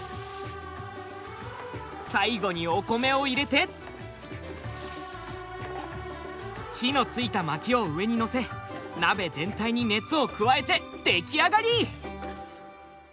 最後にお米を入れて火のついた薪を上にのせ鍋全体に熱を加えて出来上がり。